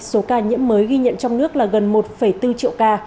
số ca nhiễm mới ghi nhận trong nước là gần một bốn triệu ca